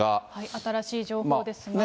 新しい情報ですが。